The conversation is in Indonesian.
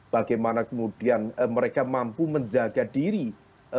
bagaimana kemudian mereka mampu menjaga diri dari perbagai ancaman tekanan terkait dengan konteks